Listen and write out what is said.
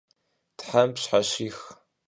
Them pşheşix!